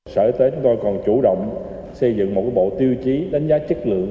sở y tế chúng tôi còn chủ động xây dựng một bộ tiêu chí đánh giá chất lượng